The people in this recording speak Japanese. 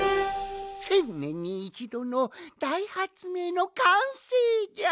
１，０００ねんにいちどのだいはつめいのかんせいじゃ！